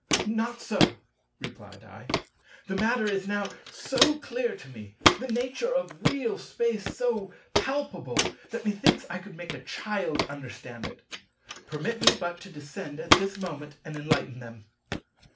"Not so," replied I, "the matter is now so clear to me, the nature of real space so palpable, that methinks I could make a child understand it. Permit me but to descend at this moment and enlighten them."